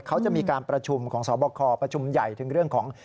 เขาจะมีการประชุมของสอบคอประชุมใหญ่ถึงเรื่องของ